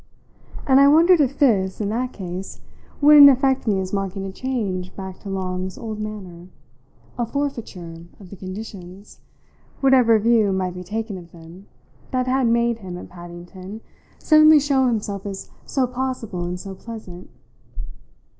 And I wondered if this, in that case, wouldn't affect me as marking a change back to Long's old manner a forfeiture of the conditions, whatever view might be taken of them, that had made him, at Paddington, suddenly show himself as so possible and so pleasant.